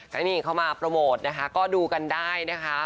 แล้วนี่เขามาโปรโมทนะคะก็ดูกันได้นะคะ